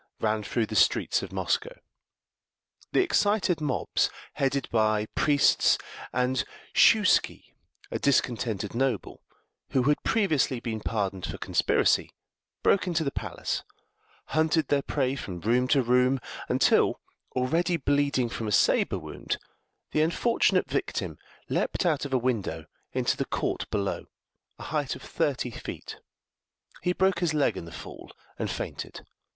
rang through the streets of Moscow. The excited mobs, headed by priests and Shuiski, a discontented noble, who had previously been pardoned for conspiracy, broke into the palace, hunted their prey from room to room, until, already bleeding from a sabre wound, the unfortunate victim leaped out of a window into the court below, a height of thirty feet. He broke his leg in the fall, and fainted.